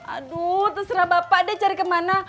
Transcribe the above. aduh terserah bapak deh cari kemana